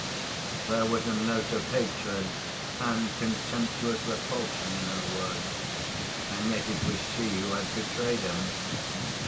There was a note of hatred and contemptuous repulsion in her words. And yet it was she who had betrayed him.